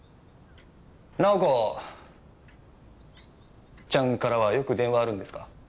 奈緒子ちゃんからはよく電話あるんですか？